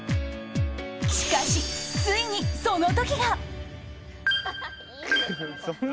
［しかしついにそのときが］